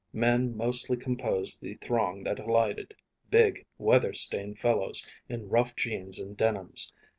Men mostly composed the throng that alighted big, weather stained fellows in rough jeans and denims.